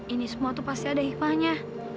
ini semua itu pasti ada hikmahnya